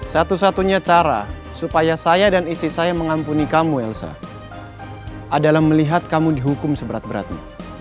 satu satunya cara supaya saya dan istri saya mengampuni kamu elsa adalah melihat kamu dihukum seberat beratnya